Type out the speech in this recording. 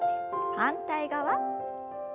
反対側。